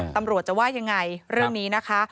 ตำรวจจะว่ายังไงเรื่องนี้นะคะ